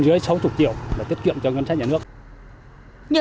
nhưng dưới sáu mươi triệu là tiết kiệm cho ngân sách nhà nước